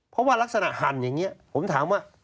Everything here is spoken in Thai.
เพราะว่ารักษณหั่นอย่างนี้ผมถามว่า